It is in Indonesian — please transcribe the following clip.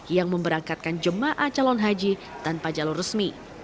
yang memberangkatkan jemaah calon haji tanpa jalur resmi